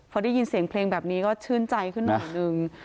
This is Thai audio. พอได้ยินเสียงเพลงแบบนี้ก็ชื่นใจขึ้นหน่อยนึง